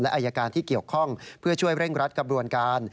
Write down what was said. อายการที่เกี่ยวข้องเพื่อช่วยเร่งรัดกระบวนการ